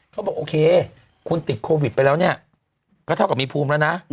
เขาบอกโอเคคุณติดโควิดไปแล้วเนี่ยก็เท่ากับมีภูมิแล้วนะ